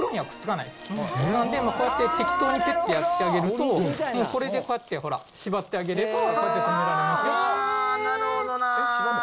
なんで、こうやって適当にぴゅってやってあげると、こうこれでこうやってしばってあげれば、こうやって留められますよと。